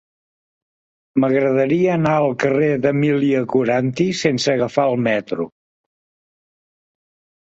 M'agradaria anar al carrer d'Emília Coranty sense agafar el metro.